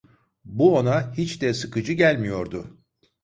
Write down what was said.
Bu, ona hiç de sıkıcı gelmiyordu.